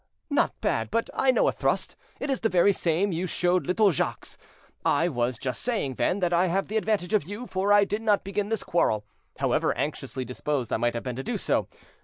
"Not bad, but I know the thrust—it is the very same you showed little Jacques. I was just saying, then, that I have the advantage of you, for I did not begin this quarrel, however anxiously disposed I might have been to do so.